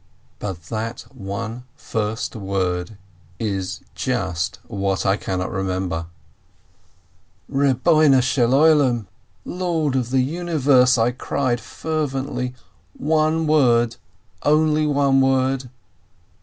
But that one first word is just what I cannot remember ! Lord of the Universe, I cried fervently, one word, only one word!